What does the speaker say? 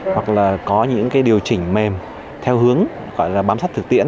hoặc là có những cái điều chỉnh mềm theo hướng gọi là bám sát thực tiễn